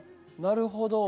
なるほど。